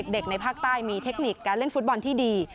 ในภาคใต้มีเทคนิคการเล่นฟุตบอลที่ดี